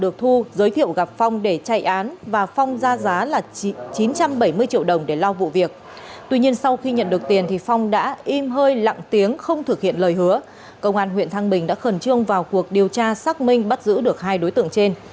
công an huyện thăng bình đã khẩn trương vào cuộc điều tra xác minh bắt giữ được hai đối tượng trên